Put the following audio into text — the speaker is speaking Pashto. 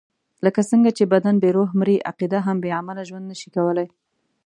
لکه څنګه چې بدن بې روح مري، عقیده هم بې عمله ژوند نشي کولای.